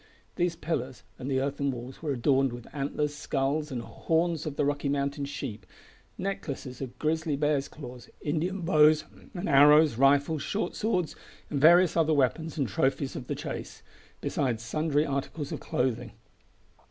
These pillars and the earthen walls were adorned with antlers, skulls, and horns of the Rocky mountain sheep, necklaces of grizzly bear's claws, Indian bows and arrows, rifles, short swords, and various other weapons and trophies of the chase, besides sundry articles of clothing.